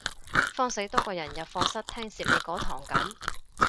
慌死多個人入課室聽蝕你嗰堂噉